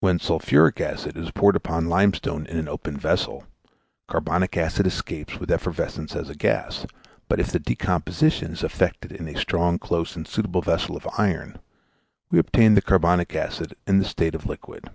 When sulphuric acid is poured upon limestone in an open vessel, carbonic acid escapes with effervescence as a gas, but if the decomposition is effected in a strong, close, and suitable vessel of iron, we obtain the carbonic acid in the state of liquid.